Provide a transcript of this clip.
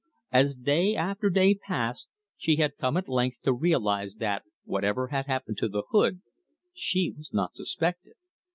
As day after day passed she had come at length to realise that, whatever had happened to the hood, she was not suspected.